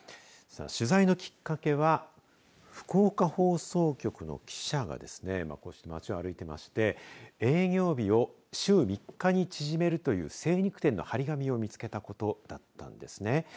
さあ、取材のきっかけは福岡放送局の記者がですねこうして街を歩いていまして営業日を週３日に縮めるという精肉店の貼り紙を見つけたことだったんですね。